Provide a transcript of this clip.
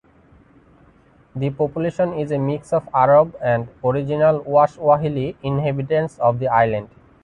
The population is a mix of Arab and original Waswahili inhabitants of the island.